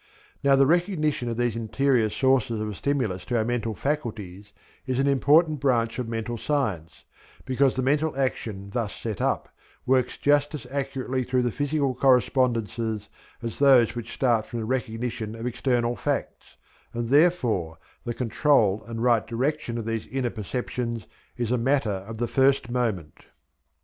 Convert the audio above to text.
Now the recognition of these interior sources of stimulus to our mental faculties, is an important branch of Mental Science, because the mental action thus set up works just as accurately through the physical correspondences as those which start from the recognition of external facts, and therefore the control and right direction of these inner perceptions is a matter of the first moment.